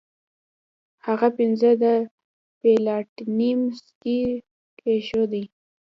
هغه پنځه د پلاټینم سکې کیښودې.